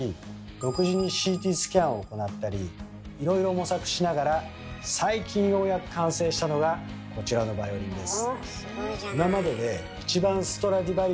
独自にＣＴスキャンを行ったりいろいろ模索しながら最近ようやく完成したのがこちらのバイオリンです。